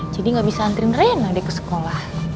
jadi gak bisa nganterin reina deh ke sekolah